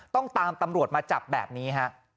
ต้องตามตำรวจมาจับแบบนี้ฮะ